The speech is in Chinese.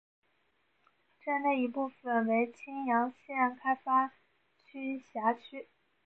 镇内一部分为青阳县开发区辖区。